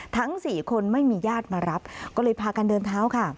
ทั้ง๔คนไม่มีญาติมารับก็เลยพากันเดินเท้าค่ะ